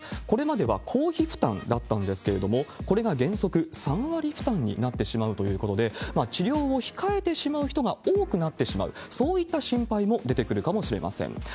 これまでは公費負担だったんですけれども、これが原則３割負担になってしまうということで、治療を控えてしまう人が多くなってしまう、そういった心配も出てくるかもしれません。